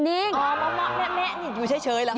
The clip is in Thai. อ๋อเมาแม่อยู่เฉยหรือคะ